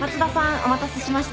お待たせしました。